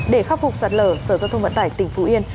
để khắc phục sạt lở sở giao thông vận tải tỉnh phú yên